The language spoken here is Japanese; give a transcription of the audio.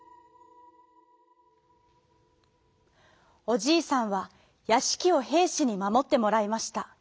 おじいさんはやしきをへいしにまもってもらいました。